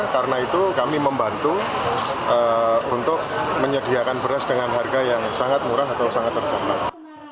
jadi itu kami membantu untuk menyediakan beras dengan harga yang sangat murah atau sangat terjangkau